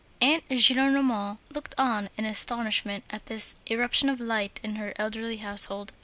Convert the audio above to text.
Aunt Gillenormand looked on in amazement at this irruption of light in her elderly household.